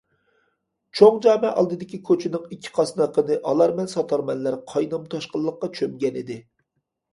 چوڭ جامە ئالدىدىكى كوچىنىڭ ئىككى قاسنىقىنى ئالارمەن- ساتارمەنلەر قاينام- تاشقىنلىققا چۆمگەنىدى.